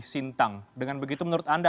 sintang dengan begitu menurut anda